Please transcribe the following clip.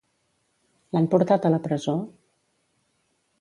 L'han portat a la presó?